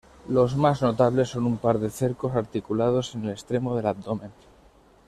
Los más notables son un par de cercos articulados en el extremo del abdomen.